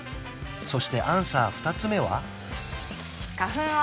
そしてアンサー２つ目は？